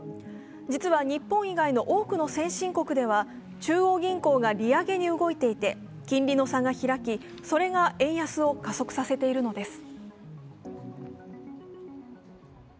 実は日本以外の多くの先進国では中央銀行が利上げに動いていて金利の差が開き、それが円安を加速させているのです。